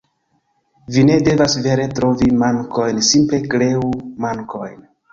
Vi ne devas vere trovi mankojn, simple kreu mankojn.